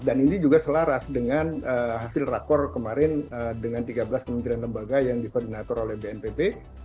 ini juga selaras dengan hasil rakor kemarin dengan tiga belas kementerian lembaga yang dikoordinator oleh bnpb